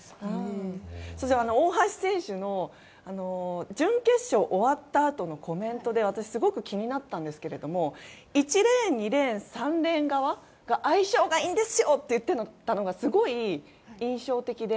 そして、大橋選手の準決勝終わったあとのコメントで私、すごく気になったんですけども１レーン２レーン３レーン側が相性がいいんですって言ってたのがすごい印象的で。